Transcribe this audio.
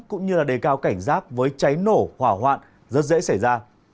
cũng như đề cao cảnh giác với cháy nổ hỏa hoạn rất dễ xảy ra